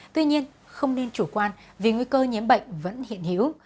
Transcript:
tuy nhiên không nên chủ quan vì nguy cơ nhiễm bệnh vẫn hiện hữu